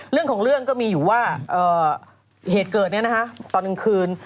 เรื่องของเรื่องก็มีอยู่ว่าเหตุเกิดนี้นะคะตอนกลางคืน